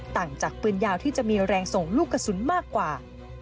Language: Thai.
ต่างจากปืนยาวที่จะมีแรงส่งลูกกระสุนมากกว่า